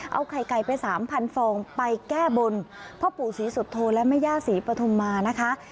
เอาไข่ไก่ไปสามพันฟองไปแก้บนเพราะปู่ศรีสุธโทและมะย่าศรีปฐมมานะคะ